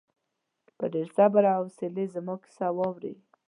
په ډېر صبر او حوصلې زما کیسه واورې.